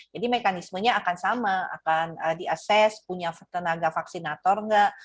mekanismenya akan sama akan diasess punya tenaga vaksinator nggak